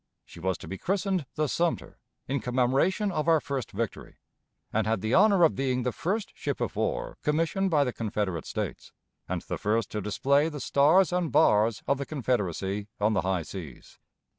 She was to be christened the Sumter, in commemoration of our first victory, and had the honor of being the first ship of war commissioned by the Confederate States, and the first to display the Stars and Bars of the Confederacy on the high seas.